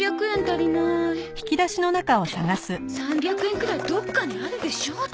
３００円くらいどっかにあるでしょ。